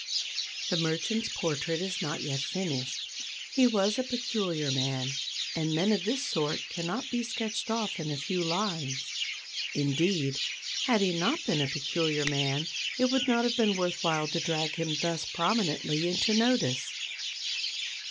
The merchant's portrait is not yet finished. He was a peculiar man, and men of this sort cannot be sketched off in a few lines. Indeed, had he not been a peculiar man, it would not have been worth while to drag him thus prominently into notice.